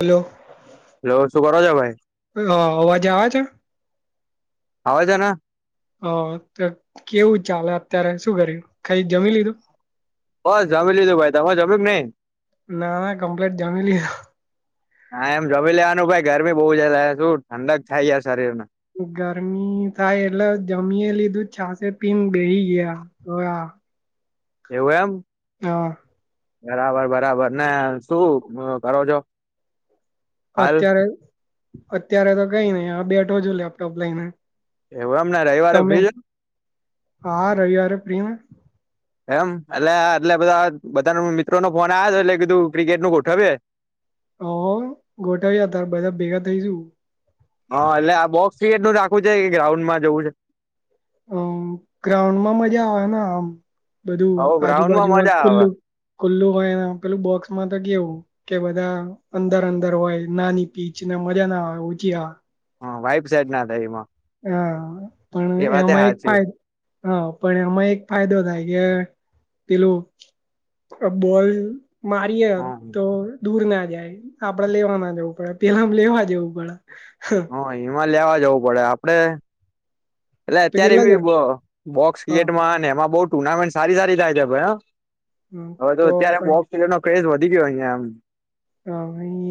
Hello hello શું કરો છો ભાઈ હ અવાજ આવે છે આવે છે ને હ તો કેવું ચાલે અત્યારે શું કર્યું કાઈ જમી લીધું બસ જમેી લીધું ભાઈ તમે જમીયું કે નહીં ના ના કમ્પ્લેટ જમી લીધુ હા એમ જમી લેવાનું ભાઈ ગરમી બહુ જ શું ઠંડક થાય શરીર માં ગરમી થાય એટલે જમીએે લીધું છાસે પીન બેહી ગયા આ એવું એમ હા બરાબર બરાબર ને શું કરોજો અત્યારે અત્યારે તો કઈ નઈ આ બેઠો છુ લેપટોપ લઈને એવું એમને રવિવારે તમે ફ્રીરે હા રવિવારે ફ્રી એમ એટલે એટલે બધા બધા મિત્રોનો ફોન આવ હતો એટલે કીધું ક્રિકેટ નું ગોઠવીએ હ ગોઠવ્યા હતા બધા ભેગા થઈશુ એટું રાાખવું છે કે ગ્રાઉન્ડમાં જવું છે હ ગ્રાઉન્ડમાં મજા આવે ને આમ બધું હવ ગ્રાઉન્ડમાં આજુબાજુમાં મજા આવે ખુલ્લું ખુલ્લું હોયે પેલું બોક્સ માં તો કેવું કે બધા અંદર અંદર હોય નાની પીચ ને મજા ના હોય ઉછી હ વયપ સેટ ના થાયે એમાં હા પણ એ વાતે એમાં એક હાચી ફાયદો હા પણ એમાં એક ફાયદો થાય કે પેલું અબ બોલ. મારીએ હ તો દૂર ના જાય, આપડે લેવા ના જવું પડે પેલા લેવા જવું પડે. હ એમાં લેવા જવું પડે આપડે. એટલે તો અત્યારે કેટલા જણ બીબ બોક્સ હા ગેટમાં ને એમાં બ ટુર્નામેન્ટ સારી સારી થાય છે ભઈ હ. હમ, હવે તો અત્યારે પ બોક્સ ક્રિકેટ નો ક્રેઝ વધી ગયો અહિયાં એમ.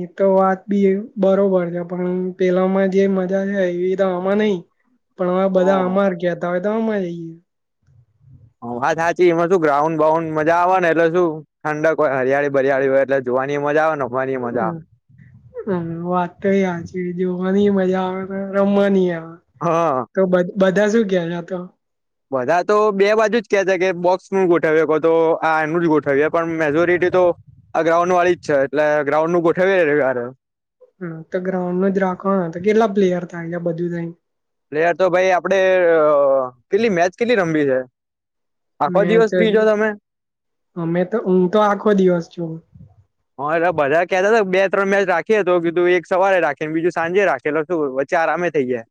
એ તો વાત બી એમ બરોબર છે, પણ પેલામાં જે મજા છે એ તો આમાં નઈ પણ હવે બધા એમ આમાર કહેતા હોય તો અમારા લઈએ હા વાત હાચી એમાં શું ગ્રાઉન્ડ બાઉન્ડ મજા આવે ને એટલે શું ઠંડક હોય હરિયાળી બરિયાળી હોય એટલે જો ની મજા આવે ને. રમવાની મજા હા વાત તો એ સાચી જો રમવાની મજા આવે હ રમવા ની આવે તો બધા શું કે તો. બધા તો બે બાજુ જ કે છે કે બોક્સ ન ગોઠવીએ કો તો આ એનું જ ગોઠવીએ પણ મેજોરિટી તો. આ ગ્રાઉન્ડ વાડી જ છે એટલે ગ્રાઉન્ડ નું ગોઠવી યે રવીવારે. હમ તો ગ્રાઉન્ડ નુ જ રાખવા નૂને તો કેટલા પ્લેયર થાય અયા બધું થાયને. પ્લેયર તો ભાઈ આપડે અ કેટલી મેચ કેટલી રમવી છે. આખો મે દિવસ છે ફ્રી છો તમે અમે તો હું તો આખો દિવસ છુ. અલા બધા કેતા હતા બે ત્રણ મેચ રાખી તો કીધું એક સવારે રાખીને બીજું સાંજે રાખેલું વચ્ચે આ રમે. થઈજા.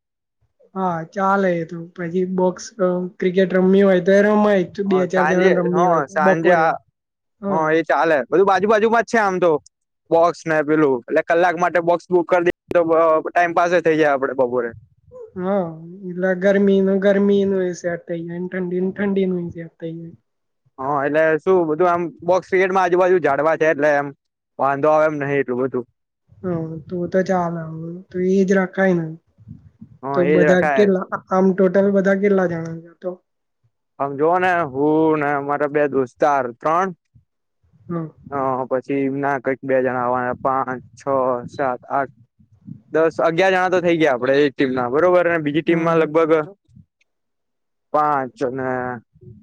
હા ચાલે એતો પછી બોક્સ અહ ક્રિકેટ રમી હોય તો. રમાય હ બે ચાર સાંજે જણા રમવી હહ હોય તો સાંજે બપોરે આ હા હ એ ચાલે બધું આજુ-બાાજુમાં જ છે આમ તો. બોક્સ ને પેલું એટલે કલાક માટે બોક્સ બુક કરી તો ટાઈમ પાસે થઇ જાય આપડે બપોરે. હા એટલે ગરમી ન ગરમી ન સેટ થઈ જાય ને ઠંડીને ઠંડી નું સેટ થઈ જાય. હા એટલે શું બધું એમ બોક્સ ક્રિકેટમાં આજુબાજુ જાડવા છે એટલે એમ. વાંધો આવે એમ નહિ એટૂબધું. હ તું તો ચાલ હ તું એ જ રાખાય ને. હા તો એજ બધા રખાય કેટલા આમ ટોટલ બધા કેટલા જણા છો તો. આમ જોવ ને હું ને અમારા બે દોસ્તાર ત્રણ. હા હ પછી ના કંઈક બે જણા આવવાના પાંચ છ સાત આઠ. દસ અગિયાર જણા તો થઇ ગયા આપડે એક ટીમ ના બરોબર અને બીજી હા ટીમમાં લગભગ. પાંચ અને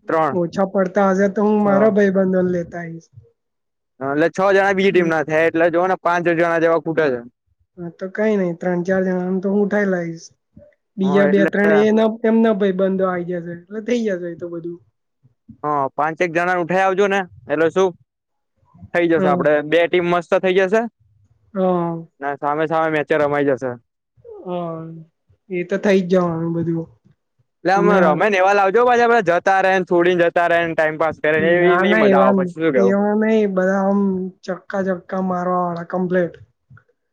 ત્રણ. થાશે તો હું છ મારા ભાઈ બંધોને લેતા આઈસ. એટલે છ જણા બીજી ટીમ ના થાય એટલે જોઓ ને પાંચ છ જણા જેવા ખૂટે છે. હા તો કઈ નઈ ત્રણ ચાર જણા આમ તો હું ઉઠાઈ લાઈશ. હ બીજા બે ત્રણ એટલે એ ન એમ ના ભાઈ બંધો આવી જશે એટલે થઈ જશે તો બધું. હ પાંચેક જણા ઉઠાઈ આવજો ને એટલે શું. થઇ જશે આપડે બે ટીમ મસ્ત થઇ જશે. હઉ. હા મેચો રમાય જશે. હા એ તો થઇ જ જવાનું બધું. એટલે આમ અને રમે એવા લાવજાવછ આપડે જતા રહે છોડીને જતા ર રહે ટાઈમપસ કરે એવી ના નઈ ના મજા એવાન આવે પછી શું કેવું એવું નઈ બધા ઓમ ચક્કા ચક્કા મારવા વાળા કમપ્લેટ.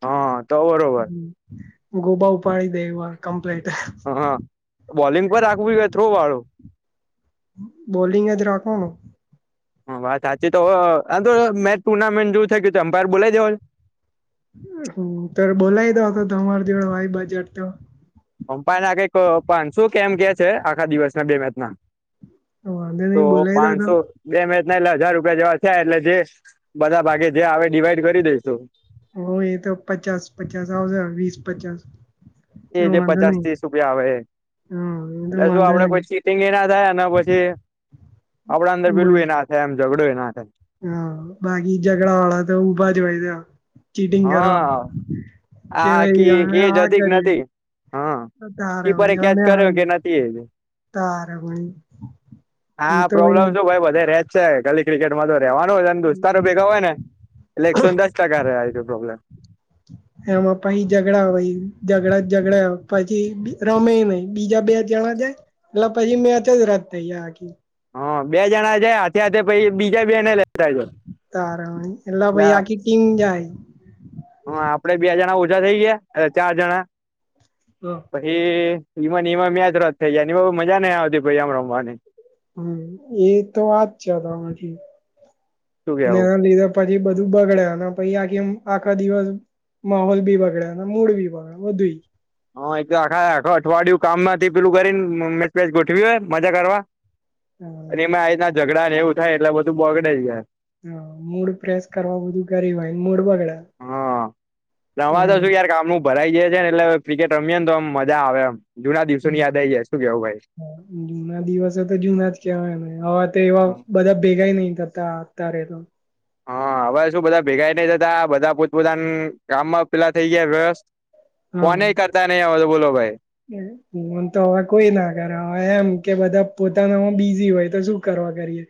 હા. તો બરોબર હમ્મ, ગોબા ઉપાડી દે એવા કમ્પ્લેટ હા હા બોલિંગ પર રાખવું છે કે થ્રો વાળું બોલિંગ જ રાખવાનું. હા વાત સાચી તો આમ તો મેચ ટુર્નામેન્ટ જોવું થઈ ગય તો એમ્પાયર બોલાય દેવો છે હમ ત બોલાવી દો તો તમાર જોડે વાય બજાર તો. અમ્પાયર ના કઈક પાંચસો કેમ કે છે આખા દિવસના બે મેચ ના વાંધો તો નહી બોલાવી દો તો પાંચસો બે [unintelligible] એટલે હજાર રૂપિયા જેવા છે એટલે જે બધા ભાગે જે આવે ડડીવાઈડ કરી દઈસુ. હો એ તો પચાસ પચાસ આવશે વીસ પચાસ. એ જે વાંધો પચાસ નહી ત્રીસ રૂપિયા આવે. હા એ તો એટલે શું વાંધો આપડે નહી સીટિંગ એ ના થાય અને પછી આપડા અંદર પીલું એ ના થાય એમ. જગડો ય ના થાયે હા બાકી ઝઘડા વાળા તો ઉભા જ હોયે જ ચીટિંગ કરવા. હા આ કી કેવાય હ એ જ આ હતી કે કર્યું. નથી હા કીપરે કેચ કર્યો તારવહીઓનેને કે નથી એ. તારમણી. હા પ્રોબ્લેમ શું ભાઈ બધે રેજ છે ખાલી ક્રિકેટ માં તો. રવાનું હો દોસ્તારો ભેગા હોય ને એટલે એકસો ને દસ ટકા ર પ્રોબ્લેમ. એમાં પછી ઝઘડા હોય ઝઘડા ઝઘડા પછી રમે નહી બીજા બે જણા. એટલે પછી મેચ રદ થઈ આખી. હા બે જણા જાયે હાથે હાથે પ બીજા બે ને લેતા જ. તારા એટલે ભાઈ આખી ટીમ જાય. હા આપડે બે જણા ઓછા થઇ ગયા ચાર જણા હા. પછી. એમાં એમાં મેચ રદ થઈ જાય એમાં મજા નઈ આવતી ભઈ આમ રમવાની. હમ્મ એ તો વાજ છે તાથી શું અને કેવું એના લીધા. પછી બધું બગડે અને પછી આખીમ આખા દિવસ. માહોલ બી બગડ્યા અને મૂડ બી બડ વધુ. હા એ આખા આખ અઠવાડિયું કામ માં પેલું કરીને મેચ ગોઠવી હોય મજા કરવા. બધું અને એમાં આના ઝઘડા ને એવું થાય એટલે બધું બગડે જ ગયા. હ મૂડ પ્રેસ કરવા બધું કરી હોય મૂડ બ. હા રમા તો શું યાર કામનું ભરાઈ જાય છે ને એટલે. ક્રિકેટ રમી ને તોમ મજા આવે એમ જૂના દિવસોની યાદ આવીઈ જાય શ સુ. જુના દિવસે તો જુના જ કેવાયને હવે તો એવા બધા ભેગા નહ થતા. તારે એ તો. હા હવે શું બધા ભેગા નહ થતા બધા પોતપોતા ગામમાં પેલા થઈ ગયા વ્યસ્. હા કોને કરતા નહી બોલો. મન તો હવે કોઈ ના કરે હવે એમ કે બધા. પોતાનામાં બીઝી હોય તો શું કરવા કરીએ.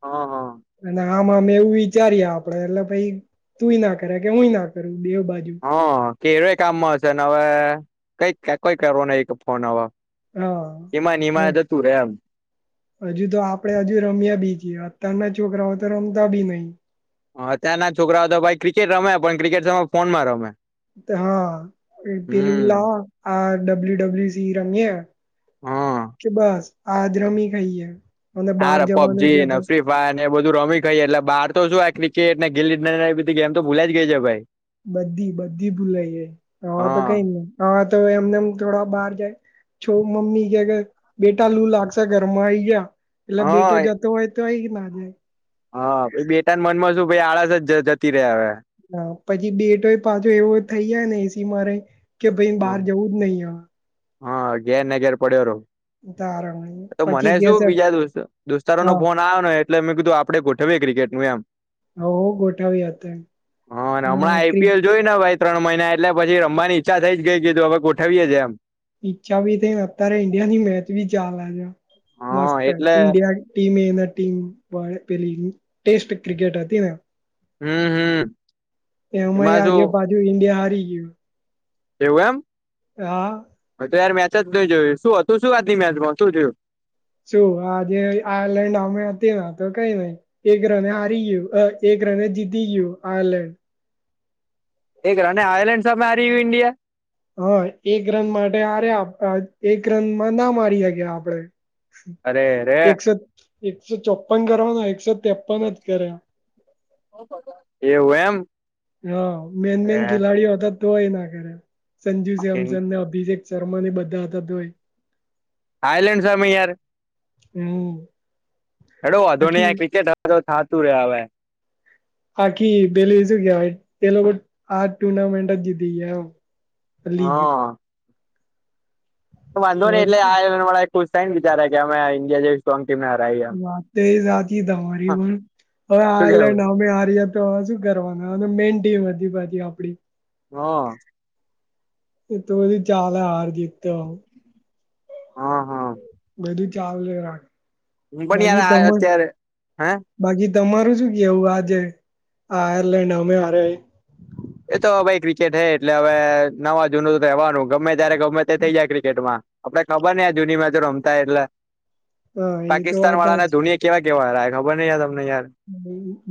હ હા. અને આમાં મેં એવું વિચાર્યા આપડે એટલે ભાઈ તુંય ના કરે કે હુંય ના કરું. બેવ બાજુ હા કેવા કામમાં હશે હવે કઈ કઈ કરવો નહી ફોન હવે. હા એમાંનમાત હતું રમ. હજુ તો આપડે હજુ રમ્યા બી છીએ અતારના છોકરાઓ તો રમતા બી નહીિ. હ ત્યાંના છોકરાઓ તો ભાઈ ક્રિકેટ રમે પણ ક્રિકેટ ફોનમાં રમે. હા હમ પલલા આ ડબલ્યુ ડબલ્યુ સી રંગે. હા કે બસ આદ્રમી કાઈએ. હા ર પબજી ને ફ્રી ફાયર ને એ બધું રમી ખાઈ એટલે બાર તો શું આ ક. કે એ ગે બધ ગ એમ તો ભૂલાઈ જ ગઈ છે ભાઈ. બધી બધી ભૂલાઈ જાય હવા તો હા કઈ નહી આ તો એમનેમ થોડા બહાર જાય. છો મમ્મી કે કે બેટા લું લાગશે ઘરમાં આઈ ગયા એટલે બેટો હા જતો હોય. જોય કે નાજાય. હા બેટા મનમાં શું ભ આળસ જ જતી રહ્યા હવે. હા પછી બેટોય પાછો એવો થઈ જાય ને એસી મારે. કે ભાઈ બહાર જવું જ નહીિ હવે. હા ઘેરને ઘેર પડ્યો ર. તારા વાળી. તો મને પછી કે શું છે બીજાસ્ દોસ્તારો નો હા ફોન આવ્યો ને એટલે મેં કીધું આપડે ગોઠવી. ક્રિકેટ નું એમ. હ ગોઠાવી આ હતા હા અને હમણાં અ ક. આઈપીએલ જોઈ ને ભાઈ ત્રણ મહિના એટલે પછી રમવાની ઈચ્છા થઈ જ ગઈ કીધું હવે ગોઠવીએે એમ. ઈચ્છા ભી થઈ ને અત્યારે ઈન્ડિયા ની મેચ ભી ચાલે આ છે. હા મસ્ત એટલે ઇન્ડિયા ટીમ ટીમ પેલી ટેસ્ટ ક્રિકેટ હતી ને હમ હમ એમાંય એમાં આજે શું પાછુ ઈન્ડિયા હારી ગયું. કેવું એમ. હ [inaudible] યાર મેચ જ નહી જોયું શું હતું શું આજની મેચમાં શું જોયું. શું આજે આયર્લેન્ડ અમે હતી તો કઈ નઈ એક રને હારી ગયું. ગ્રેનેડ જીતી ગયું આયર્લેન્ડ. એ આયલેન્ડ સામે હરીયું ન્ડિયા. હા એક રન માટે આરે્યા એક રનમાં ના મારી શકી્યા આપડે. અરે રે એકસો. એકસો ચોપન કરવાનો એકસો ત્રેપન જ કર્યા. એવું એમ. હા મેન મેન ખેલાડીઓ હતા તો એ ના કરે સંજુ એમ સેમસન ને અભિજેક. જર્મની બધા હતા તોય. થાઈલન્ડ સામે યાર. હમ હેડ આખી અધોનીં ક્રિકેટ તો થતું રે હવે. આખી પેલી શું કવાય એ લોકો આ ટુર્નામેન્ટ જ જીતી ગયા એમ. [inaudible] હા વાંધો નહી એટલે ખુશ થાય ને વિચારે કે અમે ઇન્ડિયા વાતતે જતી દવારી પણ હવે શું આયલેન્ડ કેવું અમે હએ તોવે શું કરવાનું મેન ટીમ હતી પછી આપડી [inaudible] એ તો બધી ચાલ હ હ જીતતે હો [inaudible] બધું ચાવ લે રાખ પણ યાર બાકી ત આ અત્યારે હે બાકી તમારું શું કેવું આજે આયર્લેન્ડ અમે હરે. એ તો ભાઈ ક્રિકેટ હ એટલે હવે નવા જૂનું રહેવાનું ગમે ત્યારે ગમે તે થઈ જાય ક્રિકેટમાં. આપડે ખબર નઈ આ જની મેચો રમતા એટલે. હા એ તો પાકિસ્તાન વાત વાળા ના દુનિયા કેવા કેવા ખબર નહ તને.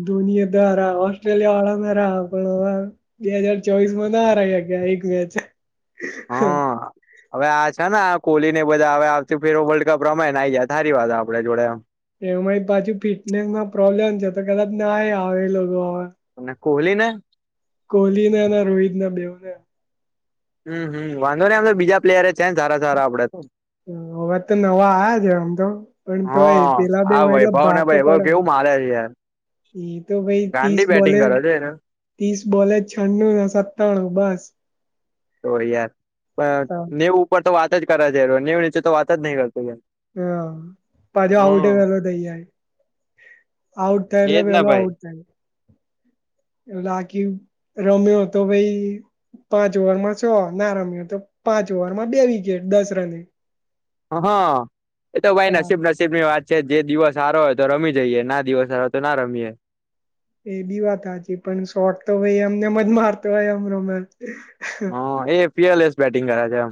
ધોનિયા દ્વારા ઓસ્ટ્રેલિયા વાળમેરા પણ હ બે હાજર ચોવીસ માં ના હ્યા કે એક મેચ. હા હવે આ છે ને કોહલી ને બધા હવે આવતી ફે વર્લ્ડ કપ રમાયનેઈ જાય સારી વાત આપડે જોડેમ. એમાંય પાછુ ફિટનેસમાં પ્રોબ્લેમ છે તો કદાચ ના એ આવેલો. અને કોહલી ને કોહલીને અને રોહિતને બેવ ને. હમ હમ વાંધો નહી આમ તો બીજા પ્લેયર છે ને સારા સારા આપડે તો. હવેત તો નવા આવયા છે આમ તો. પણ તોય હા પેલા બે આ હો એલે વૈભવ ભાર ને તો વૈભવ પડે. કેવું મારે છે યાર એ તો ભાઈ તીસ ગાંડી બેટિંગ બોલે કરે છે એને ત્રીસ બોલે જ છન્નું ને સત્તાણું બસ. તો યાર પણ નેવ ઉપર તો વાત જ કર જ નેવ નીચે તો વાત જ નહી કરતો. યાર હા પાછો આવુંટે હમ કરલો થઈ જાય. આઉટ થાય એટલે એજ ને પેલો ભાઈ આઉટ થાય. એલેકી રમ્યો તો ભાઈ. પાંચ ઓવરમાં સો ના રમ્યો તો પાંચ ઓવરમાં બે વિકેટ દસ રને. હા એતો ભાઈ ચાર નસીબ નસીબ ની વાત છે જે દિવસ સારો હોય તો રમી જઈએ ના દિવસ સારો હોય તો ના રમીએ એ બી વાત હચી પણ શોટ તો ભાઈ અમને મ જ મારતો હોય અમરો હ એ પીએલ એસ બેટિંગ કરે છે એમ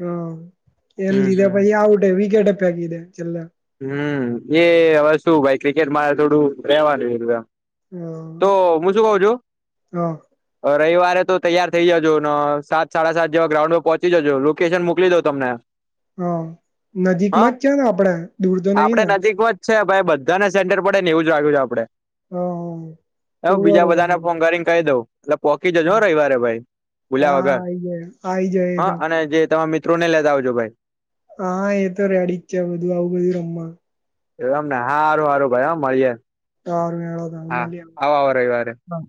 હા એને હમ લીધા હમ પછી આઉટે વિકેટ ફેંકી દે છેલ્લા હમ એ હવેતુ ભાઈ ક્રિકેટ મારે થોડું રેવાનું તો હ હું શું કઉ છું હ રવિવારે તો તૈયાર થઇ જજો સાત સાડા સાત જેવા ગ્રાઉન્ડ પર પહોંચી જજો લોકેશન મોકલી દઉો તમને હા હા નજીકમાં જ છે ને આપડે દૂર તો નહી આપડે ને નજીક જ છે ભાઈ બધા ને સેન્ટર પડે ને એવું જ વાગ્યું છે આપડે હ તો હવ બીજા બરોબર બધાને હા ફોન કરીને કહી દઉ એટલે પોખી જજો રવિવારે ભાઈ ભુલ્યા વગર હા આઈ જાય આઈ જાય એ હા તો અને જે તમે મિત મિત્રો ને લેતા આવજો ભાઈ હા એ તોરે અડીિક આવધ આવધ રમા એ એમ ને હા સારું સારું ભાઈ એમ મળીયે સારું હેડો તાણ હા મલીએ આવ આવો રવિવારે હા